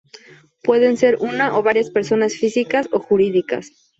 Pueden ser una o varias personas físicas o jurídicas.